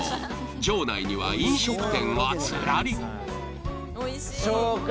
場内には飲食店がずらり。